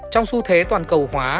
trong xu thế toàn cầu hóa